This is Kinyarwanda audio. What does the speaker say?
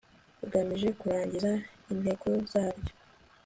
bugamije kurangiza intego zaryo